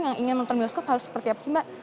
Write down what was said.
yang menonton bioskop harus seperti apa sih mbak